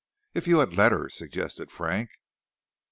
"If you had let her," suggested Frank.